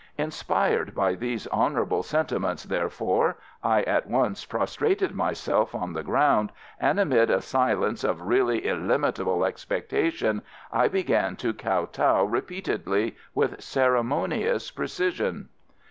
Inspired by these honourable sentiments, therefore, I at once prostrated myself on the ground, and, amid a silence of really illimitable expectation, I began to kow tow repeatedly with ceremonious precision.